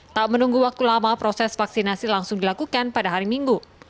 tak menunggu waktu lama proses vaksinasi langsung dilakukan pada hari minggu